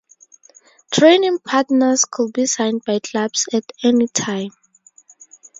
Training partners could be signed by clubs at any time.